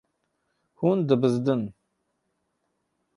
Hûn dibizdin.